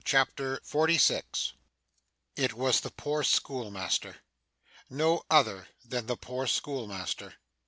CHAPTER 46 It was the poor schoolmaster. No other than the poor schoolmaster.